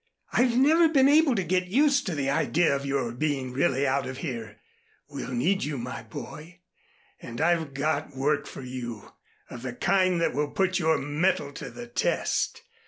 I've never been able to get used to the idea of your being really out of here. We need you, my boy, and I've got work for you, of the kind that will put your mettle to the test.